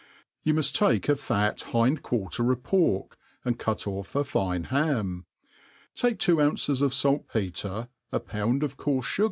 YOU muft take a fat hind quarter of pork, and cut ofFa fine ham. Take two ounces oi falt petre, a pound of coarfe fugar.